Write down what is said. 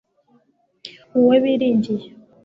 wowe biringiye